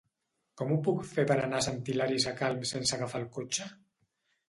Com ho puc fer per anar a Sant Hilari Sacalm sense agafar el cotxe?